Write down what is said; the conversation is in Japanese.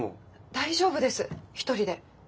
大丈夫です一人で。